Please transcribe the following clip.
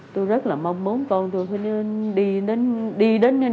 tôi rất là mong muốn con tôi đi đến